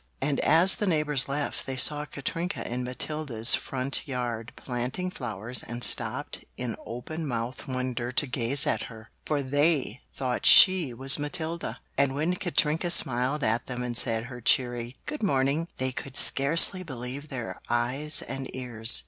And as the neighbors left they saw Katrinka in Matilda's front yard planting flowers and stopped in open mouthed wonder to gaze at her, for they thought she was Matilda. And when Katrinka smiled at them and said her cheery "Good morning" they could scarcely believe their eyes and ears.